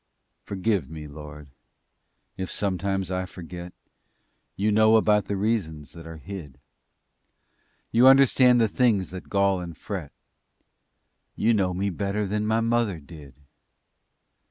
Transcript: Forgive me, Lord, if sometimes I forget. You know about the reasons that are hid. You understand the things that gall and fret; You know me better than my mother did.